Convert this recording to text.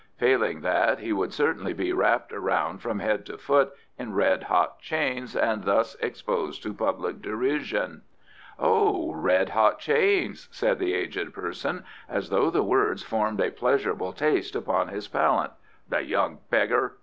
Failing that, he would certainly be wrapped round from head to foot in red hot chains, and thus exposed to public derision." "Ah, red hot chains!" said the aged person, as though the words formed a pleasurable taste upon his palate. "The young beggar!